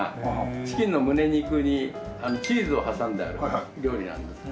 チキンのむね肉にチーズを挟んだ料理なんですね。